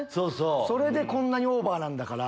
それでこんなにオーバーだから。